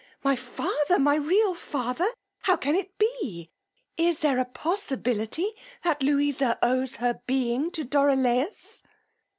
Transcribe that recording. my father! my real father! How can it be! Is there a possibility that Louisa owes her being to Dorilaus!